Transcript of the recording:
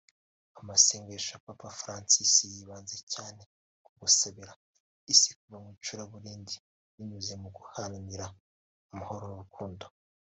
Amasengesho ya Papa Francis yibanze cyane ku gusabira isi kuva mu icuraburindi binyuze mu guharanira amahoro n’urukundo